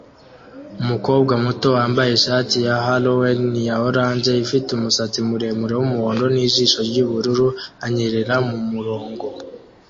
Umukobwa muto wambaye ishati ya Halloween ya orange ifite umusatsi muremure wumuhondo nijisho ryubururu anyerera mumurongo